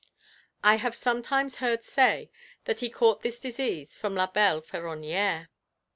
_I have sometimes heard say_(!) that he caught this disease from La belle Féronnière."